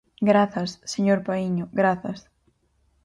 Grazas, señor Paíño, grazas.